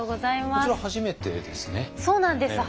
こちら初めてですね？